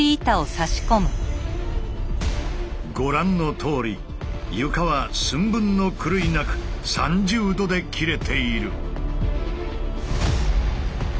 ご覧のとおり床は寸分の狂いなく３０°で切れている。